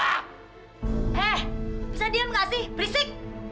eh bisa diem gak sih berisik